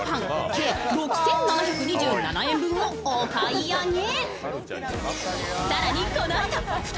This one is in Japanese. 計６７２７円分をお買い上げ。